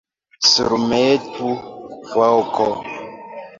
Surmetu, foko!